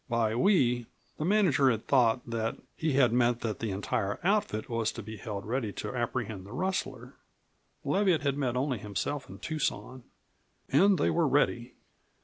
By "We" the manager had thought that he had meant the entire outfit was to be held ready to apprehend the rustler. Leviatt had meant only himself and Tucson. And they were ready.